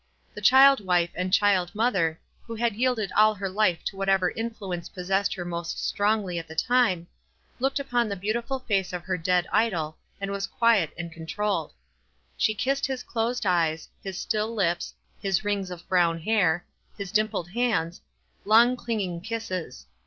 The child wife and child mother, who had yielded all her life to what ever influence possessed her most strongly at the time, looked upon the beautiful face of her dead idol, and was quiet and controlled. She kissed his closed eyes, his still lips, his rings of brown hair, his dimpled hands, long clinging kisses.